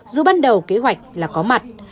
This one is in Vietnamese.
dù ban đầu kế hoạch là có mặt